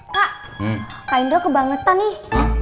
kak indra kebangetan nih